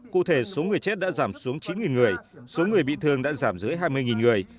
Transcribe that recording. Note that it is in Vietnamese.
cụ thể số người chết đã giảm xuống chín người số người bị thương đã giảm dưới hai mươi người